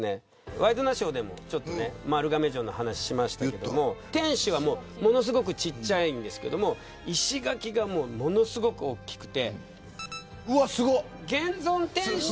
ワイドナショーでも丸亀城の話しましたけど天守はちっちゃいんですけど石垣がものすごく大きくて。